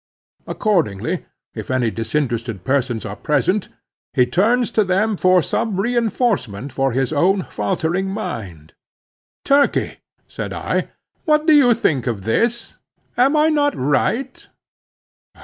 Accordingly, if any disinterested persons are present, he turns to them for some reinforcement for his own faltering mind. "Turkey," said I, "what do you think of this? Am I not right?"